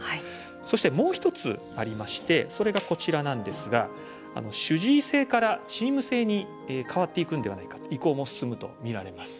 そしてもう一つありましてそれがこちらなんですが主治医制からチーム制に変わっていくんではないか移行も進むとみられます。